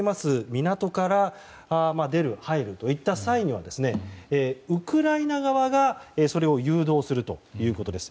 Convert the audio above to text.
港から出る、入るといった際にはウクライナ側がそれを誘導するということです。